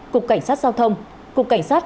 cục cảnh sát giao thông cục cảnh sát